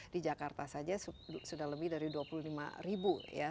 di jakarta saja sudah lebih dari dua puluh lima ribu ya